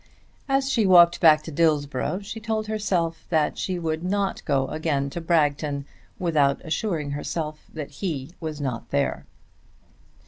As she walked back to Dillsborough she told herself that she would not go again to Bragton without assuring herself that he was not there.